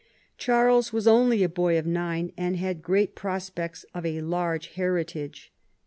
Charles was only a boy of nine, and had great prospects of a large heritage.